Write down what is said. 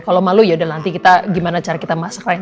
kalau malu yaudah nanti kita gimana cara kita masak lain